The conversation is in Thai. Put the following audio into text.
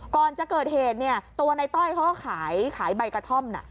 ก่อนจะเกิดเหตุเนี่ยตัวในต้อยเขาก็ขายใบกระท่อม